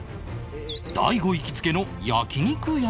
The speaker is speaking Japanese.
大悟行きつけの焼き肉屋さんへ